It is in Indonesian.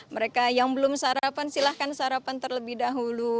mereka yang belum sarapan silahkan sarapan terlebih dahulu